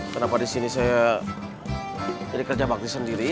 kenapa di sini saya jadi kerja bakti sendirian ya